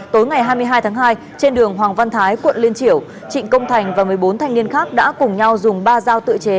tối ngày hai mươi hai tháng hai trên đường hoàng văn thái quận liên triểu trịnh công thành và một mươi bốn thanh niên khác đã cùng nhau dùng ba dao tự chế